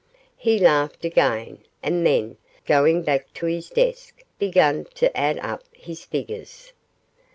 He laughed again, and then, going back to his desk, began to add up his figures.